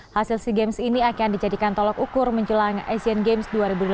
hasil sea games ini akan dijadikan tolok ukur menjelang asian games dua ribu delapan belas